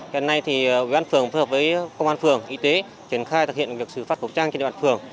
hiện nay thì ủy ban phường phối hợp với công an phường y tế triển khai thực hiện việc xử phạt khẩu trang trên ủy ban phường